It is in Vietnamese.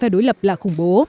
đối lập là khủng bố